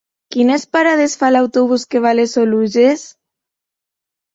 Quines parades fa l'autobús que va a les Oluges?